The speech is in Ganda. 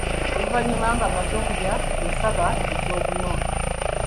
Oluvannyuma ng'amaze okulya, yasaba eky'okunywa.